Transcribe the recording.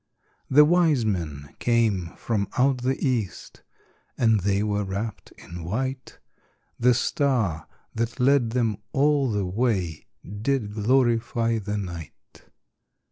The wise men came from out the east, And they were wrapped in white; The star that led them all the way Did glorify the night.